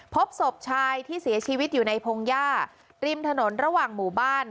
พบศพชายที่เสียชีวิตอยู่ในพงหญ้าริมถนนระหว่างหมู่บ้าน